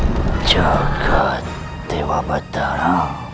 tegak tewa batara